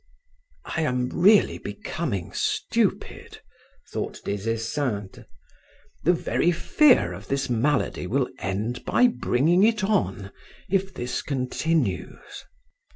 "I am really becoming stupid," thought Des Esseintes. "The very fear of this malady will end by bringing it on, if this continues."